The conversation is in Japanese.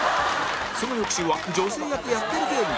その翌週は女性役やってる芸人